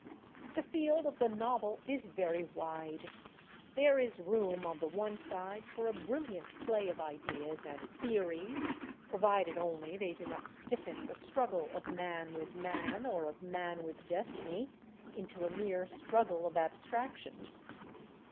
The field of the novel is very wide. There is room, on the one side, for a brilliant play of ideas and theories, provided only they do not stiffen the struggle of man with man, or of man with destiny, into a mere struggle of abstractions.